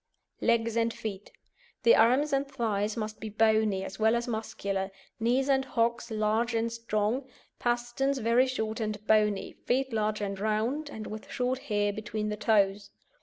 LEGS AND FEET The arms and thighs must be bony, as well as muscular, knees and hocks large and strong, pasterns very short and bony, feet large and round, and with short hair between the toes.